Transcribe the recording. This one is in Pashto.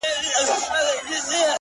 • زه هم نه پرېږدم رمې ستا د پسونو ,